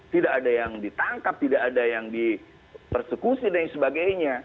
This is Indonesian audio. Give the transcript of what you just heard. tidak ada yang ditangkap tidak ada yang dipersekusi dan sebagainya